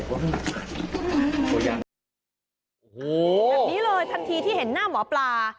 โอ้โหแบบนี้เลยทันทีที่เห็นหน้าหมอปลา